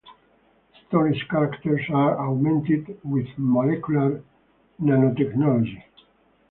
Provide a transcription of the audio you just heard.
The story's characters are augmented with molecular nanotechnology.